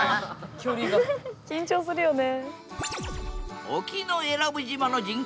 緊張するよね。